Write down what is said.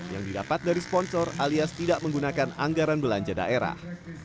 yang didapat dari sponsor alias tidak menggunakan anggaran belanja daerah